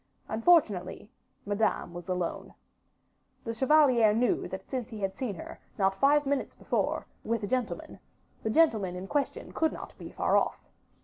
Unfortunately, Madame was alone. The chevalier knew that since he had seen her, not five minutes before, with a gentleman, the gentleman in question could not be far off.